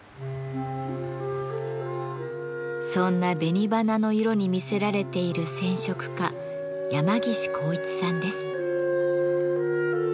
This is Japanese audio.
そんな紅花の色に魅せられている染織家山岸幸一さんです。